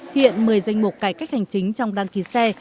hiện một mươi danh mục cải cách hành chính trong đăng ký xe